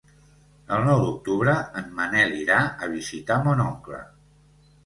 El nou d'octubre en Manel irà a visitar mon oncle.